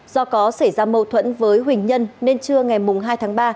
do có xảy ra mâu thuẫn với huỳnh nhân nên trưa ngày hai tháng ba